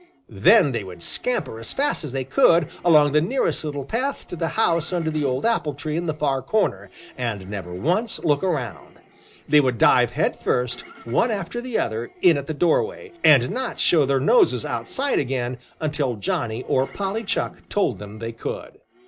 Then they would scamper as fast as they could along the nearest little path to the house under the old apple tree in the far corner, and never once look around. They would dive head first, one after the other, in at the doorway, and not show their noses outside again until Johnny or Polly Chuck told them they could.